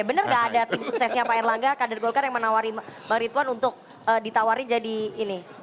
benar gak ada tim suksesnya pak erlangga kader golkar yang menawari pak ridwan untuk ditawarin jadi ini